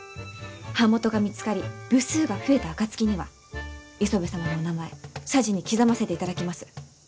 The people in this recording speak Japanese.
版元が見つかり部数が増えた暁には磯部様のお名前謝辞に刻ませていただきます。